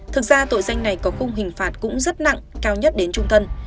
thực ra tội danh này có khung hình phạt cũng rất nặng cao nhất đến trung thân